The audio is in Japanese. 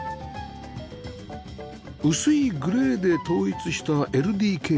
薄いグレーで統一した ＬＤＫ